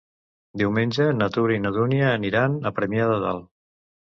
Diumenge na Tura i na Dúnia aniran a Premià de Dalt.